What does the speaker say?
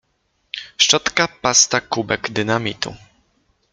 Szczotka, pasta, kubek dynamitu.